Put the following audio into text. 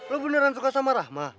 lo beneran suka sama rahma